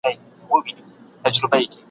له خپل پلاره دي وانه خيستل پندونه !.